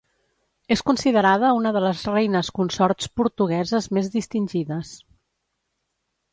És considerada una de les reines consorts portugueses més distingides.